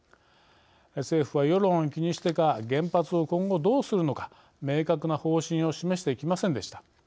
政府は世論を気にしてか原発を今後どうするのか明確な方針を示してきませんでした。